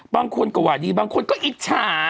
บางคนก็ว่าดีบางคนก็อิจฉา